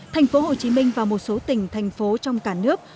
thành phố hồ chí minh và một số tỉnh thành phố trong cả nước